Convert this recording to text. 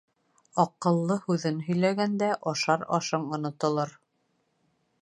Аҡыллы һүҙен һөйләгәндә, ашар ашың онотолор.